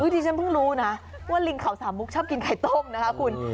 ที่ฉันเพิ่งรู้นะว่าลิงเขาสามมุกชอบกินไข่ต้มนะคะคุณ